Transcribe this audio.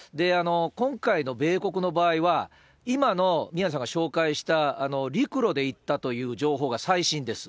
今回の米国の場合は、今の宮根さんが紹介した陸路で行ったという情報が最新です。